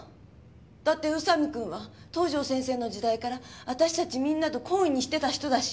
だって宇佐美くんは東条先生の時代から私たちみんなと懇意にしてた人だし。